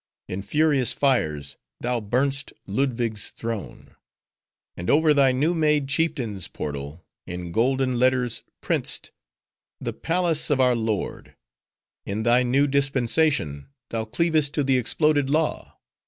In furious fires, thou burn'st Ludwig's throne; and over thy new made chieftain's portal, in golden letters print'st—'The Palace of our Lord!' In thy New Dispensation, thou cleavest to the exploded Law.